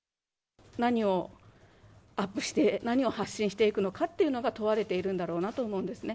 何をアップして、何を発信していくのかっていうのが問われているんだろうなと思うんですね。